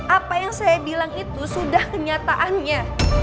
apa yang saya bilang itu sudah kenyataannya